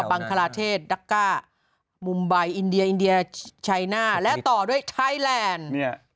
บังคลาเทศดักก้ามุมใบอินเดียอินเดียชัยหน้าและต่อด้วยไทยแลนด์เนี่ย